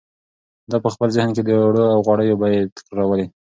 ده په خپل ذهن کې د اوړو او غوړیو بیې تکرارولې.